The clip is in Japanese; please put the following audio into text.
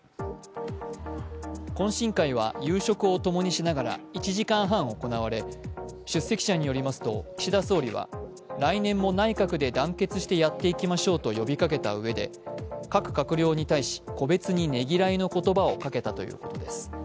懇親会は夕食をともにしながら１時間半行われ、出席者によりますと、岸田総理は来年も内閣で団結してやっていきましょうと呼びかけたうえで、各閣僚に対し、個別にねぎらいの言葉をかけたということです。